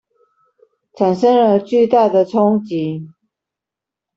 產生了巨大的衝擊